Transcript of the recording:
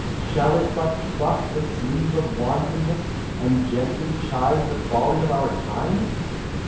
shall it but pluck the sleeve of wantonn< And gently chide the folly of our time?